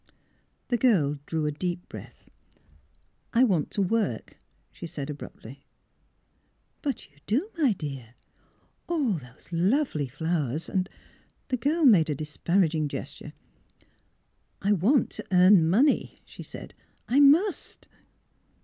The girl drew a deep breath. *' I want to work," she said, abruptly. " But you do, my dear, — all those lovely flowers, and " The girl made a disparaging gesture. '' I want to earn money," she said. I must!